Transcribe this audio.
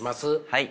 はい。